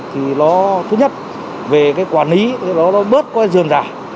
thứ nhất về quản lý thì nó bớt dườn rả